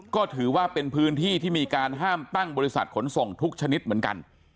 ก็ถือว่าเป็นพื้นที่ที่มีการห้ามตั้งบริษัทขนส่งทุกชนิดเหมือนกัน